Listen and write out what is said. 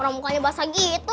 orang mukanya basah gitu